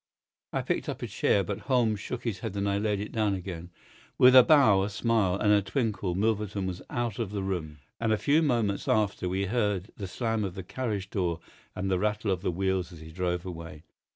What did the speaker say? I picked up a chair, but Holmes shook his head and I laid it down again. With bow, a smile, and a twinkle Milverton was out of the room, and a few moments after we heard the slam of the carriage door and the rattle of the wheels as he drove away.